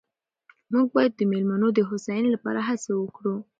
موږ باید د مېلمنو د هوساینې لپاره هڅه وکړو.